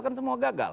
kan semua gagal